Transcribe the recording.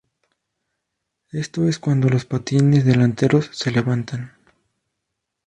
Esto es cuando los patines delanteros se levantan.